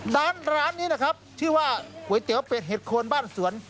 ร้านร้านนี้นะครับชื่อว่าก๋วยเตี๋ยวเป็ดเห็ดโคนบ้านสวน